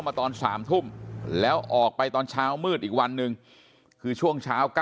มาตอน๓ทุ่มแล้วออกไปตอนเช้ามืดอีกวันหนึ่งคือช่วงเช้า